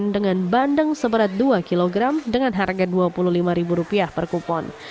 dengan bandeng seberat dua kg dengan harga rp dua puluh lima per kupon